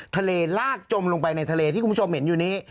ลากจมลงไปในทะเลที่คุณผู้ชมเห็นอยู่นี้